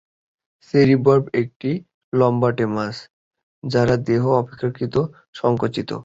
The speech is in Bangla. চেরি বার্ব একটি লম্বাটে মাছ, যার দেহ অপেক্ষাকৃত সংকুচিত।